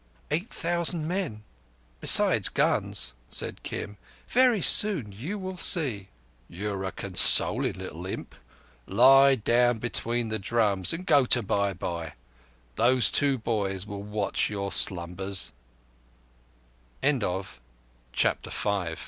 "Eight thousand men, besides guns," said Kim. "Very soon you will see." "You're a consolin' little imp. Lie down between the Drums an' go to bye bye. Those two boys will watch your slumbers."